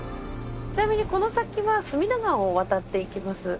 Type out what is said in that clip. ちなみにこの先は隅田川を渡っていきます。